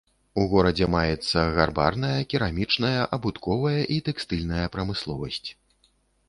У горадзе маецца гарбарная, керамічная, абутковая і тэкстыльная прамысловасць.